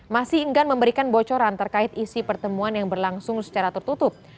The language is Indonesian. masih enggan memberikan bocoran terkait isi pertemuan yang berlangsung secara tertutup